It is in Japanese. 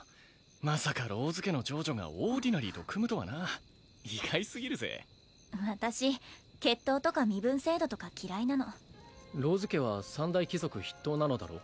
まさかローズ家の長女がオーディナリーと組むとはな意外すぎるぜ私血統とか身分制度とか嫌いなのローズ家は三大貴族筆頭なのだろう？